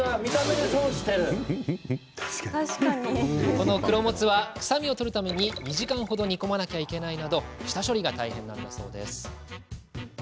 この黒モツは、臭みを取るために２時間程煮込まなきゃいけないなど下処理が大変なんだそう。